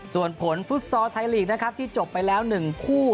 ส่วนผลฟุตซอลไทยลีกนะครับที่จบไปแล้ว๑คู่